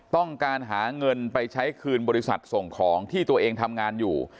ต้องการหาเงินไปใช้คืนบริษัทส่งของที่ตัวเองทำงานอยู่